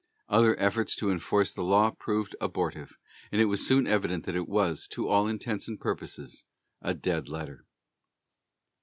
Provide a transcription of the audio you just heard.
Other efforts to enforce the law proved abortive, and it was soon evident that it was, to all intents and purposes, a dead letter.